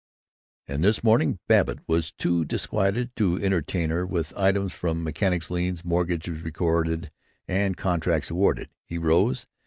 And this morning Babbitt was too disquieted to entertain her with items from Mechanics' Liens, Mortgages Recorded, and Contracts Awarded. He rose.